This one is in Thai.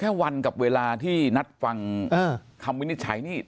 วันกับเวลาที่นัดฟังคำวินิจฉัยนี่